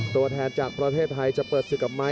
ตัวแทนจากประเทศไทยจะเปิดศึกกับไม้